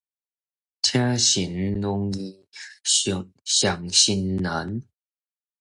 請神容易，送神難